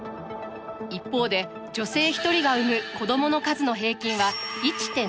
一方で女性一人が産む子どもの数の平均は１．３。